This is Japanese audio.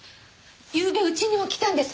ゆうべ家にも来たんです。